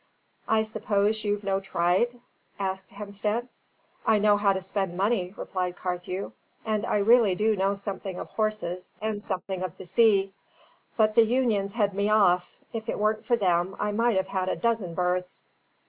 "I suppose you've no tryde?" asked Hemstead. "I know how to spend money," replied Carthew, "and I really do know something of horses and something of the sea. But the unions head me off; if it weren't for them, I might have had a dozen berths."